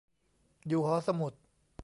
อยู่หอสมุด